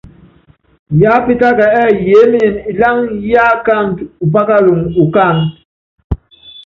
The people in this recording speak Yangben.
Yiápítáka ɛ́ɛ́ yémenyen iláŋa yíikáandú upákalɔŋu ukáánɛ́.